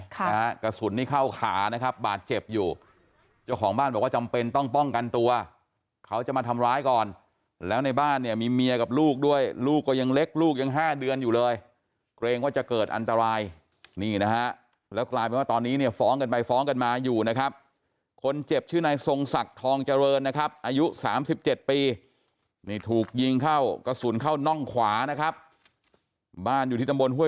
กระสุนนี้เข้าขานะครับบาดเจ็บอยู่เจ้าของบ้านบอกว่าจำเป็นต้องป้องกันตัวเขาจะมาทำร้ายก่อนแล้วในบ้านเนี่ยมีเมียกับลูกด้วยลูกก็ยังเล็กลูกยัง๕เดือนอยู่เลยเกรงว่าจะเกิดอันตรายนี่นะฮะแล้วกลายเป็นว่าตอนนี้เนี่ยฟ้องกันไปฟ้องกันมาอยู่นะครับคนเจ็บชื่อในทรงศักดิ์ทองเจริญนะครับอายุ๓๗ปีน